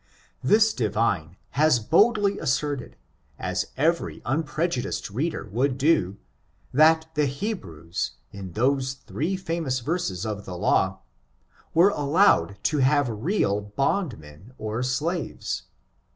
This divine has boldly asserted, as every unprejudiced reader would do, that the Hebrews, in those three famous verses of the law, were allowed to have real bond tnen, or slaves.